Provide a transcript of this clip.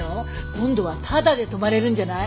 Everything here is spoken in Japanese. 今度はタダで泊まれるんじゃない？